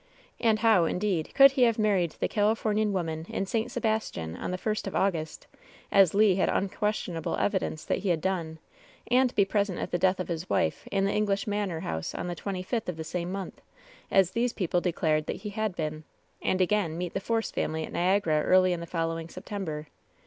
And how, indeed, could he have LOVE'S BITTEREST CUP 281 married the Califomian woman in St. Sebastian, on the first of Aue^st, as Le had unquestionable evidence that he had done, and be present at the death of his wife in the English manor house on the twenty fifth of the same month, as these people declared that he had been ; and, again, meet the Force family at Niagara early in the following September